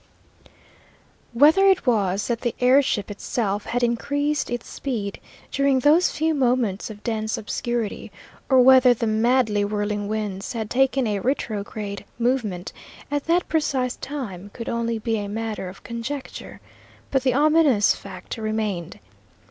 Whether it was that the air ship itself had increased its speed during those few moments of dense obscurity, or whether the madly whirling winds had taken a retrograde movement at that precise time, could only be a matter of conjecture; but the ominous fact remained.